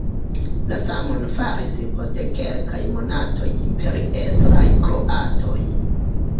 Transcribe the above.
La samon faris post kelkaj monatoj imperiestraj kroatoj.